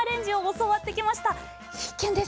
必見です。